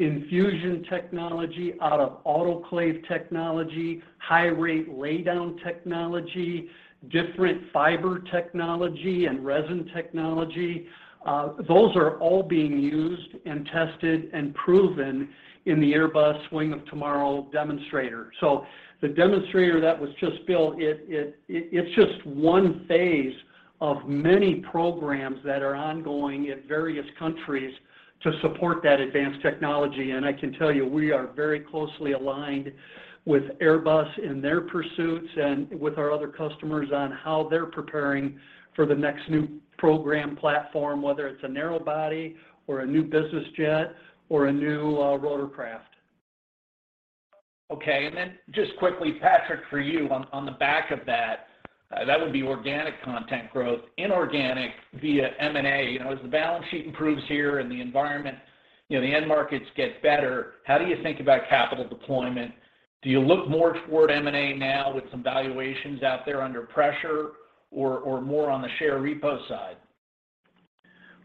C: Infusion technology out of autoclave technology, high rate laydown technology, different fiber technology and resin technology, those are all being used and tested and proven in the Airbus Wing of Tomorrow demonstrator. The demonstrator that was just built, it's just one phase of many programs that are ongoing in various countries to support that advanced technology. I can tell you, we are very closely aligned with Airbus in their pursuits and with our other customers on how they're preparing for the next new program platform, whether it's a narrow body or a new business jet or a new rotorcraft.
J: Okay. Just quickly, Patrick, for you on the back of that would be organic constant growth, inorganic via M&A. You know, as the balance sheet improves here and the environment, you know, the end markets get better, how do you think about capital deployment? Do you look more toward M&A now with some valuations out there under pressure or more on the share repo side?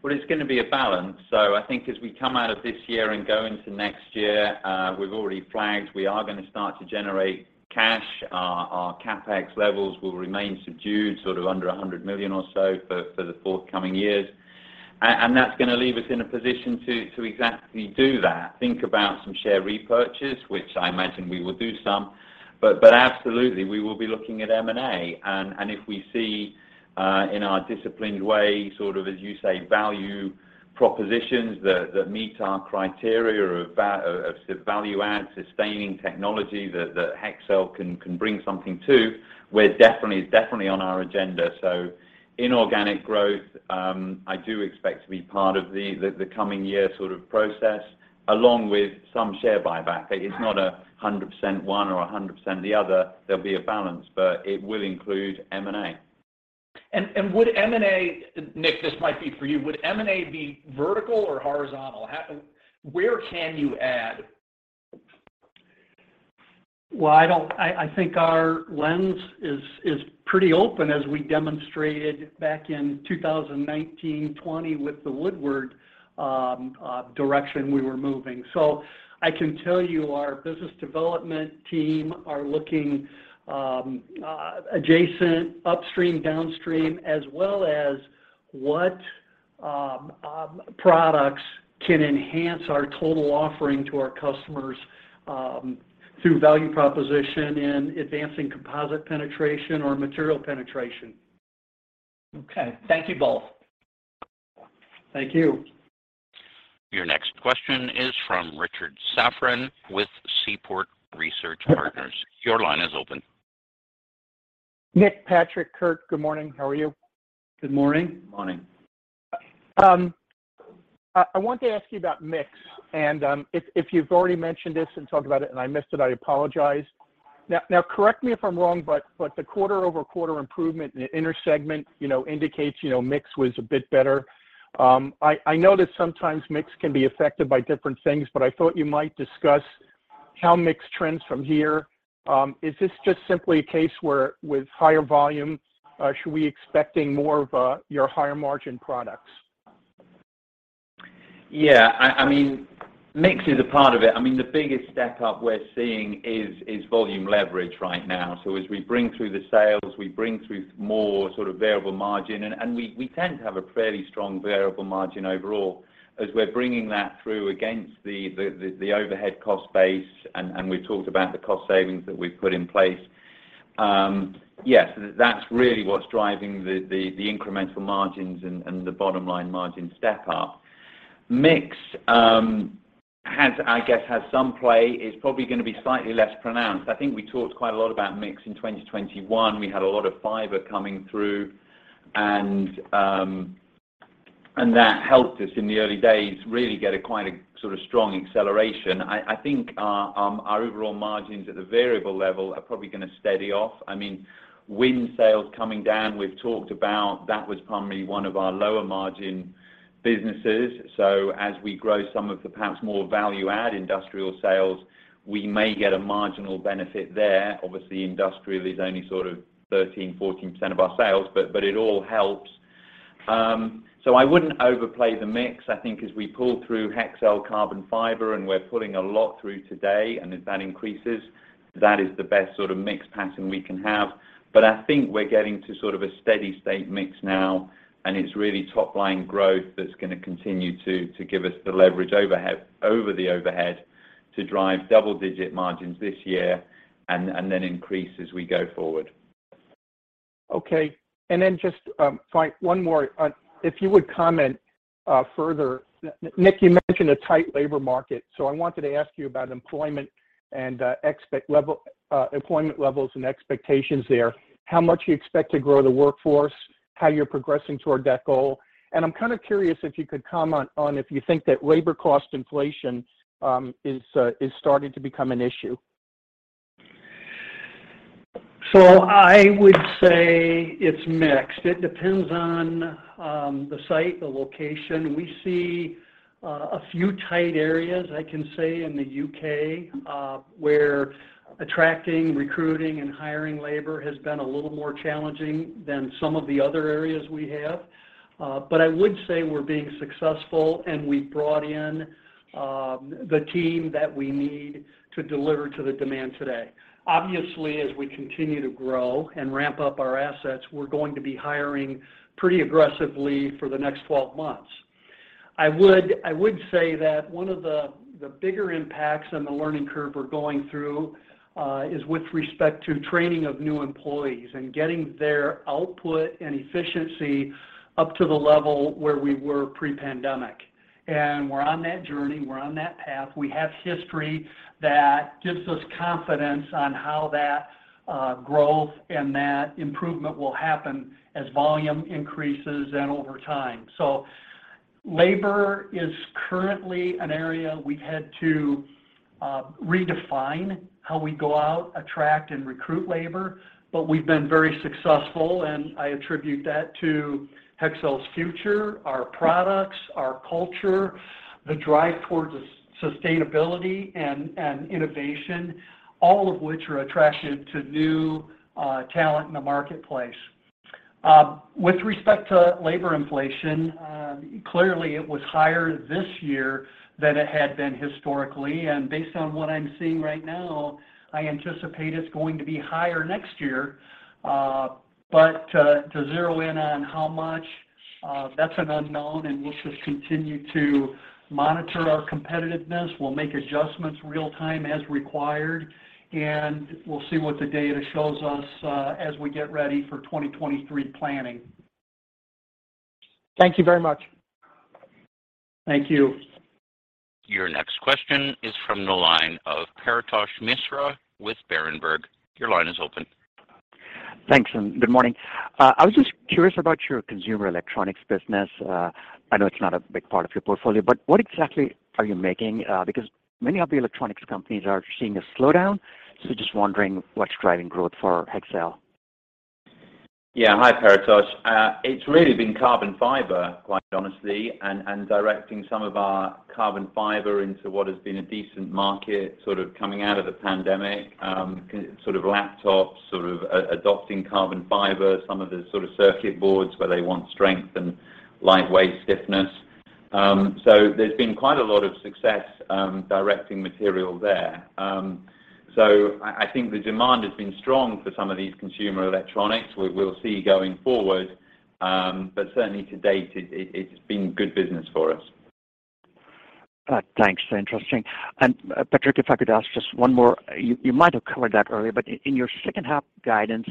B: Well, it's gonna be a balance. I think as we come out of this year and go into next year, we've already flagged we are gonna start to generate cash. Our CapEx levels will remain subdued, sort of under $100 million or so for the forthcoming years. That's gonna leave us in a position to exactly do that, think about some share repurchase, which I imagine we will do some. Absolutely, we will be looking at M&A. If we see in our disciplined way, sort of, as you say, value propositions that meet our criteria of value add, sustaining technology that Hexcel can bring something to, it's definitely on our agenda. Inorganic growth, I do expect to be part of the coming year sort of process, along with some share buyback. It's not 100% one or 100% the other. There'll be a balance, but it will include M&A.
J: Nick, this might be for you. Would M&A be vertical or horizontal? Where can you add?
C: I think our lens is pretty open as we demonstrated back in 2019, 2020 with the Woodward direction we were moving. I can tell you our business development team are looking adjacent, upstream, downstream, as well as what products can enhance our total offering to our customers through value proposition in advancing composite penetration or material penetration.
J: Okay. Thank you both.
C: Thank you.
A: Your next question is from Richard Safran with Seaport Research Partners. Your line is open.
K: Nick, Patrick, Kurt, good morning. How are you?
C: Good morning.
B: Morning.
K: I wanted to ask you about mix. If you've already mentioned this and talked about it and I missed it, I apologize. Correct me if I'm wrong, but the quarter-over-quarter improvement in intersegment, you know, indicates, you know, mix was a bit better. I know that sometimes mix can be affected by different things, but I thought you might discuss how mix trends from here. Is this just simply a case where with higher volume, should we expecting more of, your higher margin products?
B: Yeah. I mean, mix is a part of it. I mean, the biggest step up we're seeing is volume leverage right now. As we bring through the sales, we bring through more sort of variable margin, and we tend to have a fairly strong variable margin overall. As we're bringing that through against the overhead cost base and we've talked about the cost savings that we've put in place, yes, that's really what's driving the incremental margins and the bottom line margin step up. Mix has, I guess, some play. It's probably gonna be slightly less pronounced. I think we talked quite a lot about mix in 2021. We had a lot of fiber coming through and that helped us in the early days really get quite a sort of strong acceleration. I think our overall margins at the variable level are probably gonna steady off. I mean, wind sales coming down, we've talked about that was probably one of our lower margin businesses. As we grow some of the perhaps more value add industrial sales, we may get a marginal benefit there. Obviously, industrial is only sort of 13, 14% of our sales, but it all helps. I wouldn't overplay the mix. I think as we pull through Hexcel carbon fiber, and we're pulling a lot through today, and as that increases, that is the best sort of mix pattern we can have. I think we're getting to sort of a steady state mix now, and it's really top line growth that's gonna continue to give us the leverage over the overhead to drive double digit margins this year and then increase as we go forward.
K: Okay. Then just, sorry, one more. If you would comment further. Nick, you mentioned a tight labor market, so I wanted to ask you about employment and employment levels and expectations there. How much you expect to grow the workforce, how you're progressing toward that goal. I'm kind of curious if you could comment on if you think that labor cost inflation is starting to become an issue.
C: I would say it's mixed. It depends on the site, the location. We see a few tight areas, I can say, in the UK, where attracting, recruiting, and hiring labor has been a little more challenging than some of the other areas we have. But I would say we're being successful, and we've brought in the team that we need to deliver to the demand today. Obviously, as we continue to grow and ramp up our assets, we're going to be hiring pretty aggressively for the next 12 months. I would say that one of the bigger impacts on the learning curve we're going through is with respect to training of new employees and getting their output and efficiency up to the level where we were pre-pandemic. We're on that journey, we're on that path. We have history that gives us confidence on how that growth and that improvement will happen as volume increases and over time. Labor is currently an area we've had to redefine how we go out, attract, and recruit labor, but we've been very successful, and I attribute that to Hexcel's future, our products, our culture, the drive towards sustainability and innovation, all of which are attractive to new talent in the marketplace. With respect to labor inflation, clearly it was higher this year than it had been historically. Based on what I'm seeing right now, I anticipate it's going to be higher next year. To zero in on how much, that's an unknown, and we'll just continue to monitor our competitiveness. We'll make adjustments real-time as required, and we'll see what the data shows us, as we get ready for 2023 planning.
K: Thank you very much.
C: Thank you.
A: Your next question is from the line of Paretosh Misra with Berenberg. Your line is open.
L: Thanks, and good morning. I was just curious about your consumer electronics business. I know it's not a big part of your portfolio, but what exactly are you making? Because many of the electronics companies are seeing a slowdown. Just wondering what's driving growth for Hexcel.
B: Yeah. Hi, Paretosh. It's really been carbon fiber, quite honestly, and directing some of our carbon fiber into what has been a decent market, sort of coming out of the pandemic. Sort of laptops, sort of adopting carbon fiber, some of the sort of circuit boards where they want strength and lightweight stiffness. So there's been quite a lot of success, directing material there. So I think the demand has been strong for some of these consumer electronics. We'll see going forward, but certainly to date, it's been good business for us.
L: Thanks. Interesting. Patrick, if I could ask just one more. You might have covered that earlier, but in your second half guidance,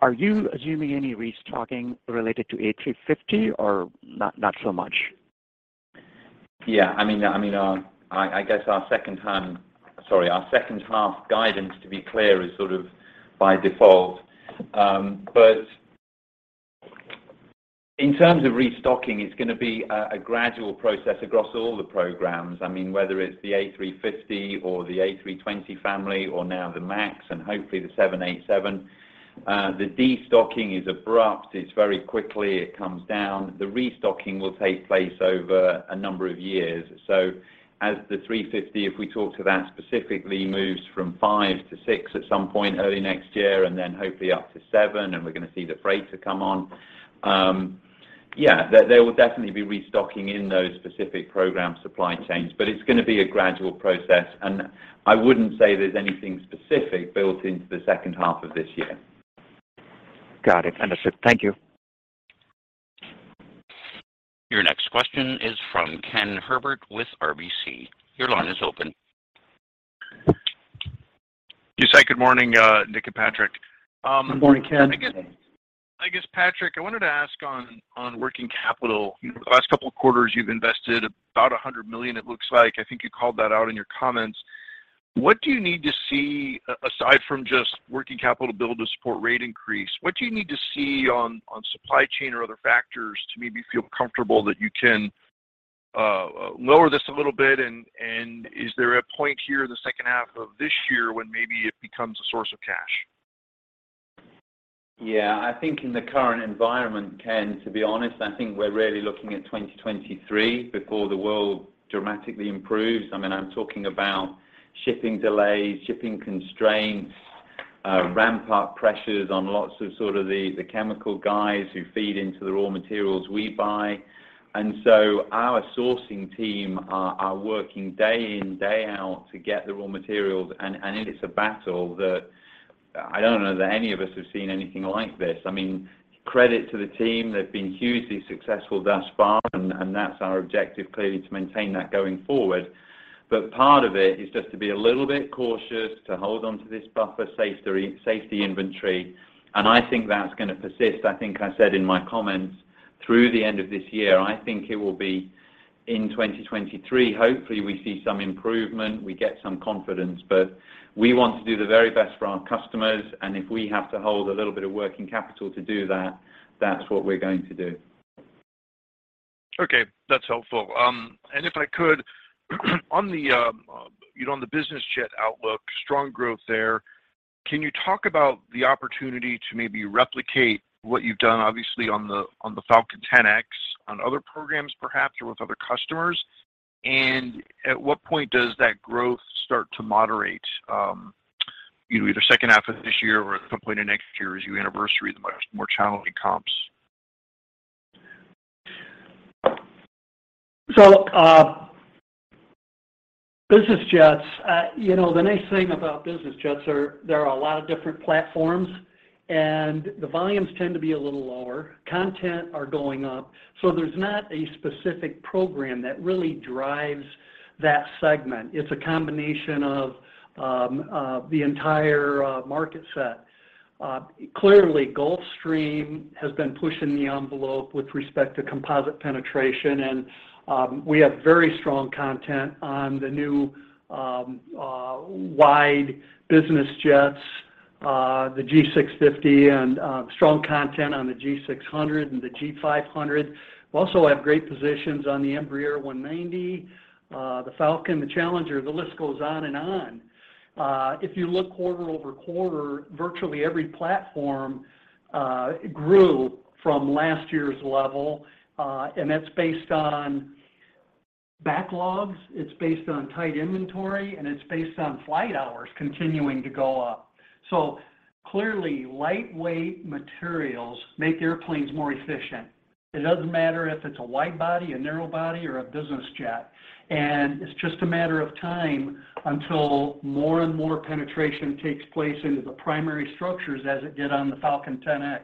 L: are you assuming any restocking related to A350 or not so much?
B: Yeah. I mean, our second half guidance to be clear is sort of by default. But in terms of restocking, it's gonna be a gradual process across all the programs. I mean, whether it's the A350 or the A320 family or now the MAX and hopefully the 787. The destocking is abrupt. It very quickly comes down. The restocking will take place over a number of years. As the A350, if we talk to that specifically, moves from 5-6 at some point early next year and then hopefully up to 7, and we're gonna see the freighter come on. There will definitely be restocking in those specific program supply chains, but it's gonna be a gradual process. I wouldn't say there's anything specific built into the second half of this year.
L: Got it. Understood. Thank you.
A: Your next question is from Kenneth Herbert with RBC. Your line is open.
M: Yes, good morning, Nick and Patrick.
B: Good morning, Ken.
M: I guess, Patrick, I wanted to ask on working capital. You know, the last couple of quarters you've invested about $100 million it looks like. I think you called that out in your comments. What do you need to see, aside from just working capital build to support rate increase, what do you need to see on supply chain or other factors to maybe feel comfortable that you can lower this a little bit, and is there a point here in the second half of this year when maybe it becomes a source of cash?
B: Yeah. I think in the current environment, Ken, to be honest, I think we're really looking at 2023 before the world dramatically improves. I mean, I'm talking about shipping delays, shipping constraints, ramp up pressures on lots of sort of the chemical guys who feed into the raw materials we buy. Our sourcing team are working day in, day out to get the raw materials, and it is a battle that I don't know that any of us have seen anything like this. I mean, credit to the team, they've been hugely successful thus far, and that's our objective clearly to maintain that going forward. Part of it is just to be a little bit cautious, to hold onto this buffer safety inventory, and I think that's gonna persist, I think I said in my comments, through the end of this year. I think it will be in 2023, hopefully we see some improvement, we get some confidence. We want to do the very best for our customers, and if we have to hold a little bit of working capital to do that's what we're going to do.
M: Okay. That's helpful. If I could, on the business jet outlook, strong growth there, can you talk about the opportunity to maybe replicate what you've done obviously on the Falcon 10X on other programs perhaps or with other customers? At what point does that growth start to moderate, you know, either second half of this year or at some point in next year as you anniversary the much more challenging comps?
C: Business jets, you know, the nice thing about business jets are there are a lot of different platforms, and the volumes tend to be a little lower. Content are going up, so there's not a specific program that really drives that segment. It's a combination of the entire market set. Clearly Gulfstream has been pushing the envelope with respect to composite penetration and we have very strong content on the new wide business jets, the G650 and strong content on the G600 and the G500. We also have great positions on the Embraer E190, the Falcon, the Challenger, the list goes on and on. If you look quarter over quarter, virtually every platform grew from last year's level, and that's based on backlogs, it's based on tight inventory, and it's based on flight hours continuing to go up. Clearly lightweight materials make airplanes more efficient. It doesn't matter if it's a wide body, a narrow body, or a business jet. It's just a matter of time until more and more penetration takes place into the primary structures as it did on the Falcon 10X.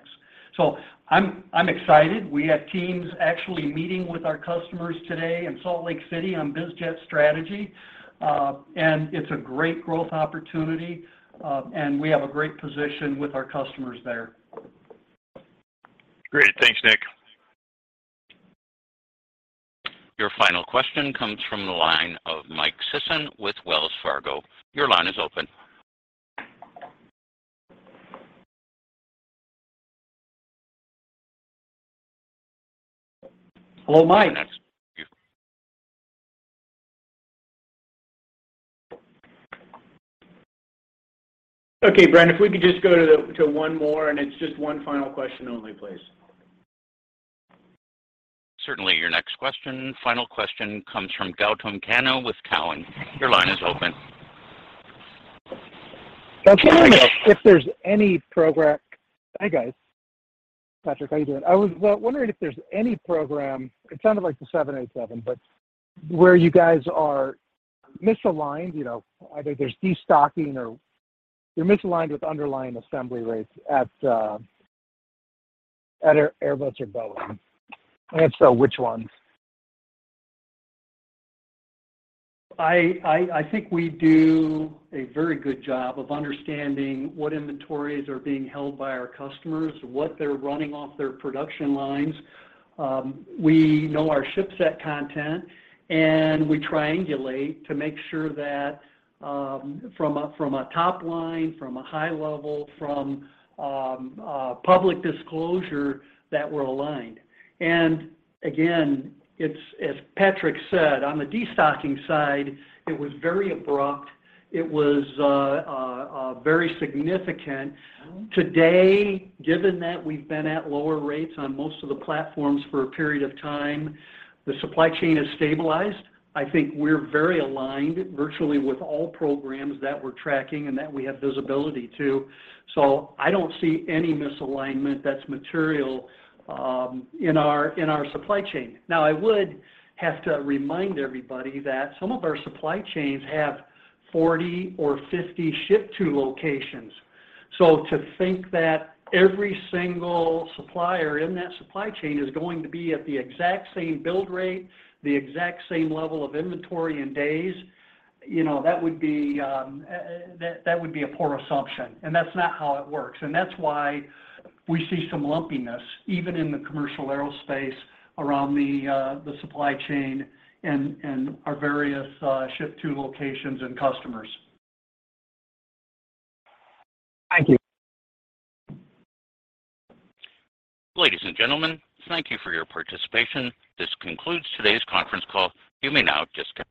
C: I'm excited. We have teams actually meeting with our customers today in Salt Lake City on biz jet strategy, and it's a great growth opportunity, and we have a great position with our customers there.
M: Great. Thanks, Nick.
A: Your final question comes from the line of Michael Sison with Wells Fargo. Your line is open.
C: Hello, Mike. Okay, Brent, if we could just go to one more, and it's just one final question only, please.
A: Certainly. Your next question, final question comes from Gautam Khanna with TD Cowen. Your line is open.
N: Gautam Khanna. Hi, guys. Patrick, how you doing? I was wondering if there's any program, it sounded like the 787, but where you guys are misaligned, you know, either there's destocking or you're misaligned with underlying assembly rates at Airbus or Boeing. If so, which ones?
C: I think we do a very good job of understanding what inventories are being held by our customers, what they're running off their production lines. We know our ship set content, and we triangulate to make sure that from a top line, from a high level, from public disclosure that we're aligned. Again, it's as Patrick said, on the destocking side, it was very abrupt. It was very significant. Today, given that we've been at lower rates on most of the platforms for a period of time, the supply chain has stabilized. I think we're very aligned virtually with all programs that we're tracking and that we have visibility to. I don't see any misalignment that's material in our supply chain. Now, I would have to remind everybody that some of our supply chains have 40 or 50 ship to locations. So to think that every single supplier in that supply chain is going to be at the exact same build rate, the exact same level of inventory in days, you know, that would be a poor assumption, and that's not how it works. That's why we see some lumpiness even in the commercial aerospace around the supply chain and our various ship to locations and customers.
N: Thank you.
A: Ladies and gentlemen, thank you for your participation. This concludes today's conference call. You may now disconnect.